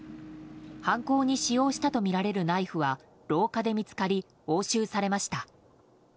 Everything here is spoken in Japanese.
犯行に使用したとみられるナイフは廊下で見つかり押収されました。